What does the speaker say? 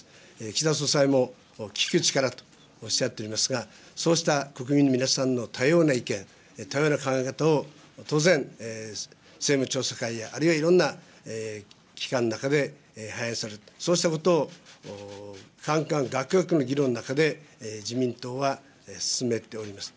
岸田総裁も、聞く力とおっしゃっていますが、そうした国民の皆様の多様な意見、多様な考え方を当然、政務調査会や、あるいはいろんな機関の中で反映される、そうしたことをかんかんがくがくの議論の中で、自民党は進めております。